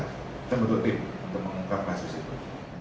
kita butuh tim untuk mengungkap kasus itu